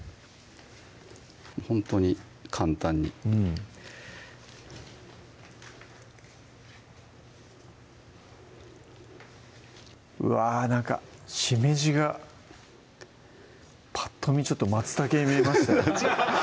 ほんとに簡単にうんうわなんかしめじがパッと見ちょっとまつたけに見えましたよ